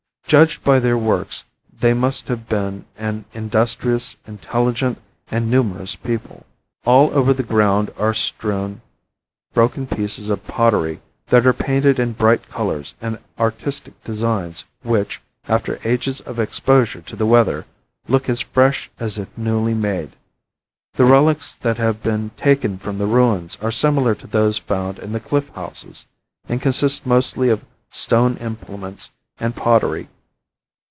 Judged by their works they must have been an industrious, intelligent and numerous people. All over the ground are strewn broken pieces of pottery that are painted in bright colors and artistic designs which, after ages of exposure to the weather, look as fresh as if newly made, The relics that have been taken from the ruins are similar to those found in the cliff houses, and consist mostly of stone implements and pottery.